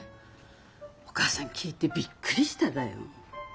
お母さん聞いてびっくりしただよ。